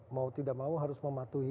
mau tidak mau harus mematuhi